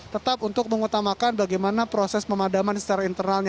tetap untuk mengutamakan bagaimana proses pemadaman secara internalnya